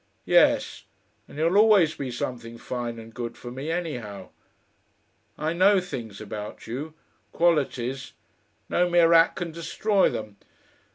"Yes. And you'll always be something fine and good for me anyhow. I know things about you, qualities no mere act can destroy them..